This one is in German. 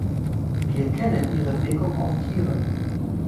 Wir kennen ihre Wirkung auf Tiere.